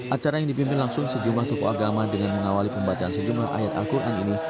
acara yang dipimpin langsung sejumlah tokoh agama dengan mengawali pembacaan sejumlah ayat al quran ini